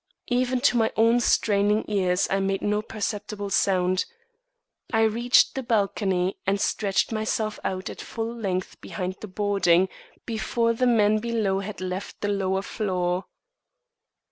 Even to my own straining ears I made no perceptible sound. I reached the balcony and had stretched myself out at full length behind the boarding, before the men below had left the lower floor.